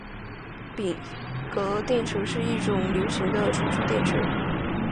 镍镉电池是一种流行的蓄电池。